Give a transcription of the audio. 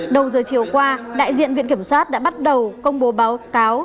đầu giờ chiều qua đại diện viện kiểm soát đã bắt đầu công bố báo cáo